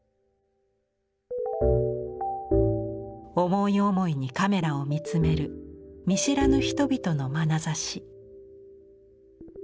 思い思いにカメラを見つめる見知らぬ人々のまなざし。